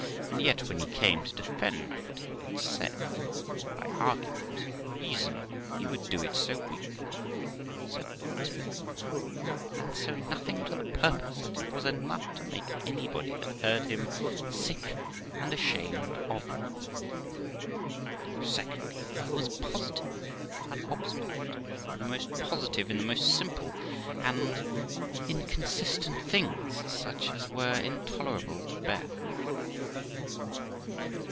And yet, when he came to defend what he had said by argument and reason, he would do it so weakly, so emptily, and so nothing to the purpose, that it was enough to make anybody that heard him sick and ashamed of him. Secondly, he was positive and obstinate, and the most positive in the most simple and inconsistent things, such as were intolerable to bear.